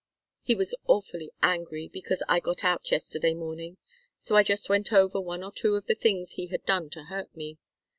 He was awfully angry because I got out yesterday morning. So I just went over one or two of the things he had done to hurt me.